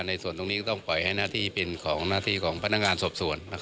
ในส่วนตรงนี้ก็ต้องปล่อยให้หน้าที่เป็นของหน้าที่ของพนักงานสอบสวน